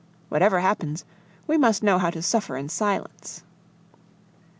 Whatever happens, we must know how to suffer in silence."